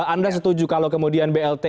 anda setuju kalau kemudian blt